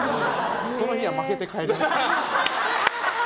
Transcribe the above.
その日は負けて帰りました。